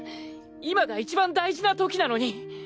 今が一番大事な時なのに！